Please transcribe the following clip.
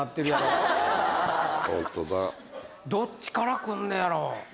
本当だどっちから来んねやろ？